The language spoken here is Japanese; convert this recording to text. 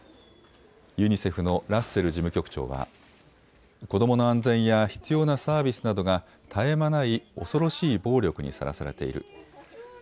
ユニセフのラッセル事務局長は、子どもの安全や必要なサービスなどが絶え間ない恐ろしい暴力にさらされている。